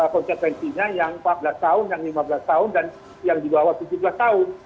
konsekuensinya yang empat belas tahun yang lima belas tahun dan yang di bawah tujuh belas tahun